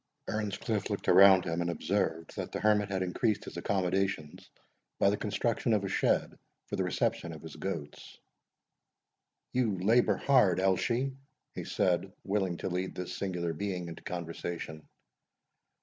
Earnscliff looked around him, and observed that the hermit had increased his accommodations by the construction of a shed for the reception of his goats. "You labour hard, Elshie," he said, willing to lead this singular being into conversation.